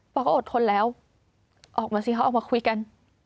เขาก็อดทนแล้วออกมาสิเขาออกมาคุยกัน